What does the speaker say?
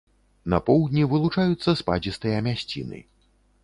На поўдні вылучаюцца спадзістыя мясціны.